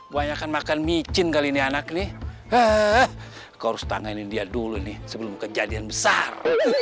banyak makan micin kali ini anak nih eh kau harus tangan india dulu nih sebelum kejadian besar